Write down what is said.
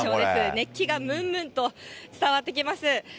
熱気がむんむんと伝わってきます。